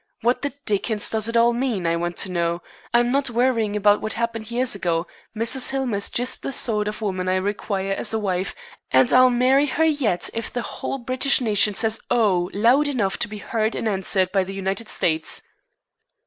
What the dickens does it all mean, I want to know? I'm not worrying about what happened years ago. Mrs. Hillmer is just the sort of woman I require as a wife, and I'll marry her yet if the whole British nation says 'Oh!' loud enough to be heard and answered by the U nited States."